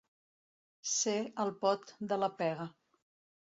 Ser el pot de la pega.